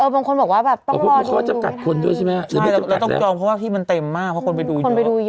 บางคนบอกว่าต้องรอดูพวกเขาจับกัดคนด้วยใช่ไหมและต้องจองเพราะว่าที่มันเต็มมากเพราะคนไปดูเยอะ